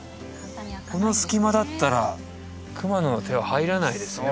この隙間だったら熊の手は入らないですね